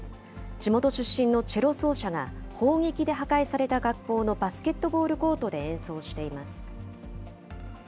地元出身のチェロ奏者が、砲撃で破壊された学校のバスケットボールコートで演奏しています。